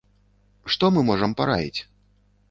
Што мы можам параіць?